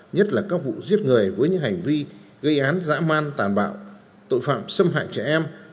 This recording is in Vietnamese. nhất là các vụ giết người với những hành vi gây án dã man tàn bạo tội phạm xâm hại trẻ em